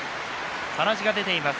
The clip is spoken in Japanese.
鼻血が出ています。